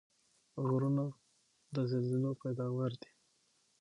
غرونه د زلزلو پیداوار دي.